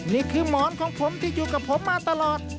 นี่คือหมอนของผมที่อยู่กับผมมาตลอด